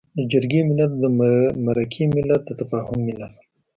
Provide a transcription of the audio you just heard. د جرګې ملت، د مرکې ملت، د تفاهم ملت.